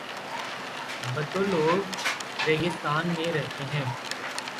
بدو لوگ ریگستان میں رہتے ہیں۔